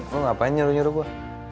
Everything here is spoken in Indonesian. lu ngapain nyuruh nyuruh gua